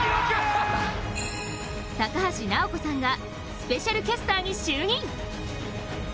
高橋尚子さんがスペシャルキャスターに就任。